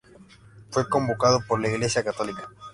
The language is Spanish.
Fue convocado por la iglesia católica.